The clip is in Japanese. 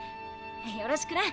よろしくな。